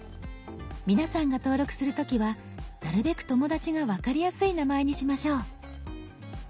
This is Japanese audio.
皆さんが登録する時はなるべく友だちが分かりやすい名前にしましょう。